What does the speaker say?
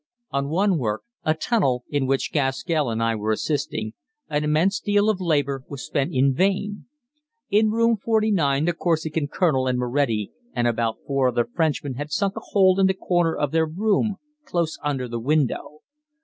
On one work, a tunnel, in which Gaskell and I were assisting, an immense deal of labor was spent in vain. In Room 49 the Corsican colonel and Moretti and about four other Frenchmen had sunk a hole in the corner of their room close under the window.